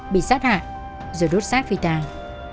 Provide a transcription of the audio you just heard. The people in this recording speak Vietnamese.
bị sát hại rồi đốt sát phi tàng